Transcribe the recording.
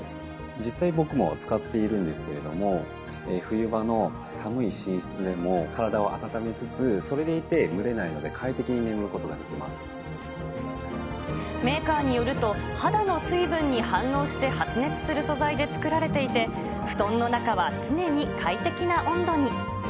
実際、僕も使っているんですけれども、冬場の寒い寝室でも体を温めつつ、それでいて蒸れないので、メーカーによると、肌の水分に反応して発熱する素材で作られていて、布団の中は常に快適な温度に。